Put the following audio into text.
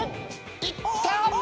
いった！